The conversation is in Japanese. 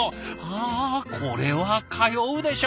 あこれは通うでしょう！